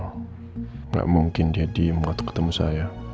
tidak mungkin dia diam waktu ketemu saya